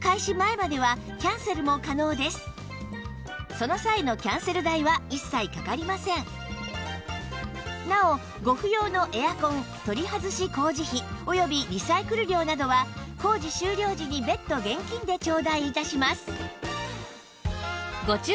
その際のなおご不要のエアコン取り外し工事費およびリサイクル料などは工事終了時に別途現金で頂戴致します